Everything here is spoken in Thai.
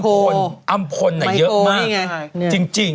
จริงเนอะงานนางเยอะอัมพลอัมพลเยอะมากจริง